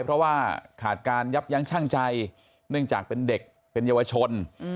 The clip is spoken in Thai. เพราะว่าขาดการยับยั้งชั่งใจเนื่องจากเป็นเด็กเป็นเยาวชน